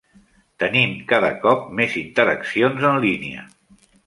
Tenim cada cop més interaccions en línia.